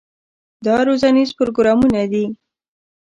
دا روزنیز پروګرامونه دي.